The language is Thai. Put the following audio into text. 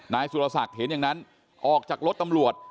นายสุรศักดิ์เห็นอย่างนั้นออกจากรถตำรวจ